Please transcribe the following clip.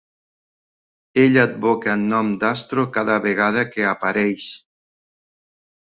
Ell advoca en nom d'Astro cada vegada que apareix.